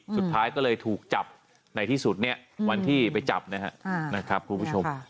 สุดท้ายก็เลยถูกจับในที่สุดเนี่ยวันที่ไปจับนะครับคุณผู้ชม